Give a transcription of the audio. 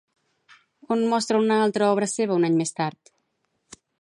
On mostra una altra obra seva un any més tard?